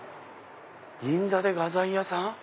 銀座で画材屋さん？